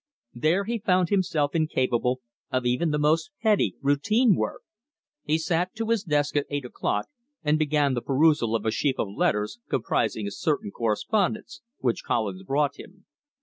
There he found himself incapable of even the most petty routine work. He sat to his desk at eight o'clock and began the perusal of a sheaf of letters, comprising a certain correspondence, which Collins brought him.